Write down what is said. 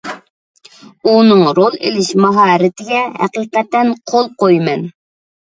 ئۇنىڭ رول ئېلىش ماھارىتىگە ھەقىقەتەن قول قويىمەن.